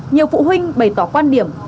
nhiều phụ huynh bày tỏ quan điểm